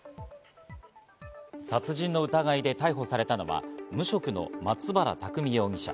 殺人の疑いで逮捕されたのは無職の松原拓海容疑者。